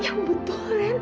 yang betul ren